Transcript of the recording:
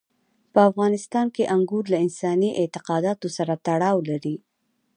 په افغانستان کې انګور له انساني اعتقاداتو سره تړاو لري.